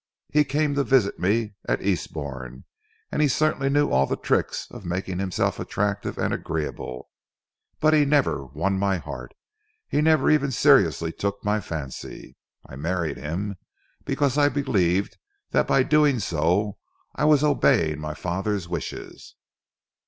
"He came to visit, me at Eastbourne, and he certainly knew all the tricks of making himself attractive and agreeable. But he never won my heart he never even seriously took my fancy. I married him because I believed that by doing so I was obeying my father's wishes."